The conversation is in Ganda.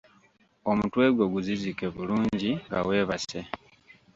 Omutwe gwo guzizike bulungi nga weebase.